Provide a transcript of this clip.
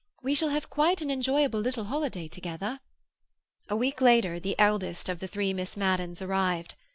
We shall have quite an enjoyable little holiday together." A week later the eldest of the three Miss Maddens arrived.